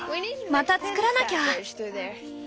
またつくらなきゃ。